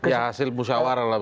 ya hasil musyawarah